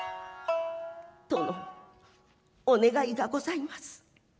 「殿ッお願いが御座います」。